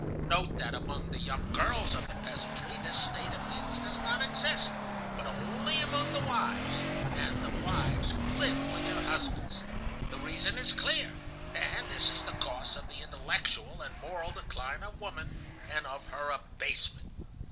Note that among the young girls of the peasantry this state of things does not exist, but only among the wives, and the wives who live with their husbands. The reason is clear, and this is the cause of the intellectual and moral decline of woman, and of her abasement.